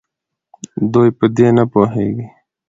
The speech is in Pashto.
دوي په دې نپوهيږي